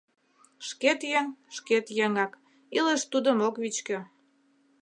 Шкет еҥ — шкет еҥак, илыш тудым ок вӱчкӧ.